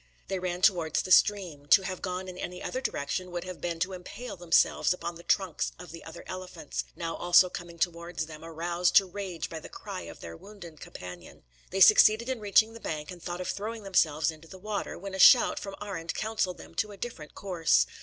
They ran towards the stream. To have gone in any other direction would have been to impale themselves upon the trunks of the other elephants, now also coming towards them, aroused to rage by the cry of their wounded companion. They succeeded in reaching the bank, and thought of throwing themselves into the water; when a shout from Arend counselled them to a different course.